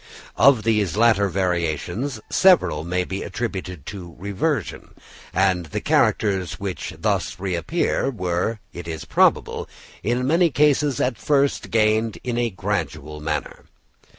Of these latter variations several may be attributed to reversion; and the characters which thus reappear were, it is probable, in many cases at first gained in a gradual manner.